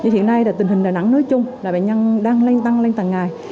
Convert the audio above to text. hiện nay tình hình đà nẵng nói chung là bệnh nhân đang lên tăng lên tầng ngày